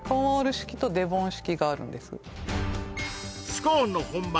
スコーンの本場